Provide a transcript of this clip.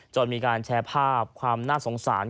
มีการแชร์ภาพความน่าสงสาร